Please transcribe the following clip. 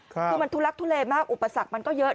คือมันทุลักทุเลมากอุปสรรคมันก็เยอะ